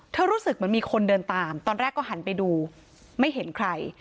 รู้สึกเหมือนมีคนเดินตามตอนแรกก็หันไปดูไม่เห็นใคร